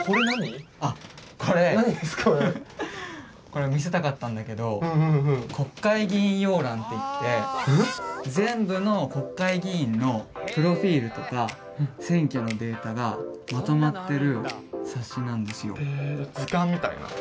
これ見せたかったんだけど「国会議員要覧」っていって全部の国会議員のプロフィールとか選挙のデータがまとまってる冊子なんですよ。